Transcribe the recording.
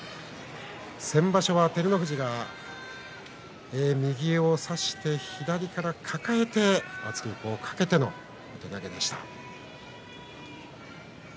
先場所は照ノ富士が右を差して左から抱えて圧力をかけての相撲でした。